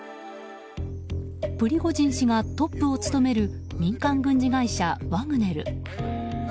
プリゴジン氏がトップを務める民間軍事会社ワグネル。